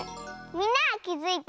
みんなはきづいた？